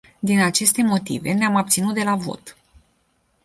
Din aceste motive, ne-am abținut de la vot.